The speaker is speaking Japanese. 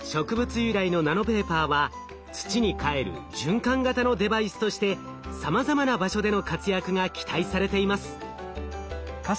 由来のナノペーパーは土にかえる循環型のデバイスとしてさまざまな場所での活躍が期待されています。